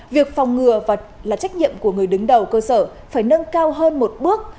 việc phòng ngừa và là trách nhiệm của người đứng đầu cơ sở phải nâng cao hơn một bước